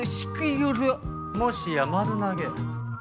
もしや丸投げ。